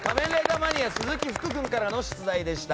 マニア鈴木福君からの出題でした。